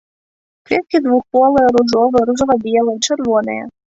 Кветкі двухполыя, ружовыя, ружова-белыя, чырвоныя.